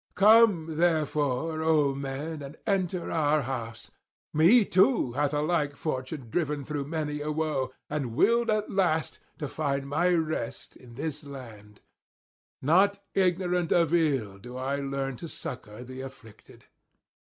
Come therefore, O men, and enter our house. Me too hath a like fortune driven through many a woe, and willed at last to find my rest in this land. Not ignorant of ill do I learn to succour the afflicted.'